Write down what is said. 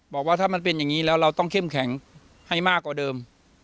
บอกว่าถ้ามันเป็นอย่างนี้แล้วเราต้องเข้มแข็งให้มากกว่าเดิม